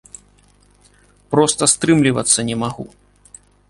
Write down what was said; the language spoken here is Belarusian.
Проста стрымлівацца не магу.